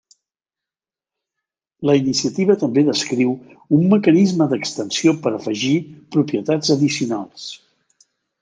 La iniciativa també descriu un mecanisme d'extensió per afegir propietats addicionals.